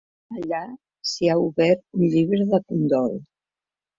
Allà s'hi ha obert un llibre de condol.